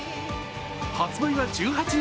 発売は１８日。